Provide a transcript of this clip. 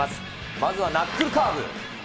まずはナックルカーブ。